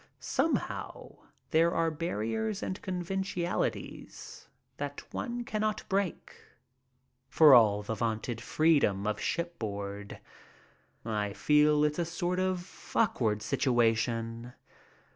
Somehow there are barriers and conventionalities that one cannot break, for all the vaunted "freedom of shipboard.". I feel it's a sort of awkward situation.